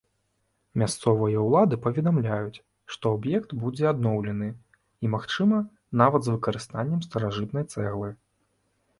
Мясцовыя ўлады паведамляюць, што аб'ект будзе адноўлены, і, магчыма, нават з выкарыстаннем старажытнай цэглы.